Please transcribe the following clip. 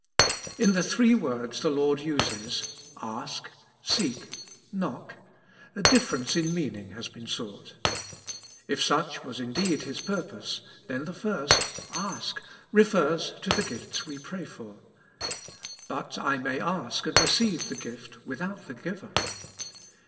In the three words the Lord uses, ask, seek, knock, a difference in meaning has been sought. If such was indeed His purpose, then the first, Ask, refers to the gifts we pray for. But I may ask and receive the gift without the Giver.